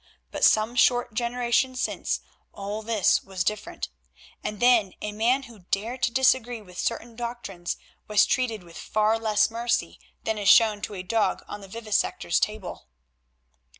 But some short generations since all this was different, for then a man who dared to disagree with certain doctrines was treated with far less mercy than is shown to a dog on the vivisector's table.